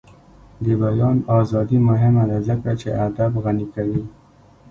د بیان ازادي مهمه ده ځکه چې ادب غني کوي.